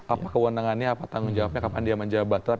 apa kewenangannya apa tanggung jawabnya kapan dia menjabat